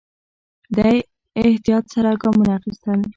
دی احتیاط سره ګامونه اخيستل.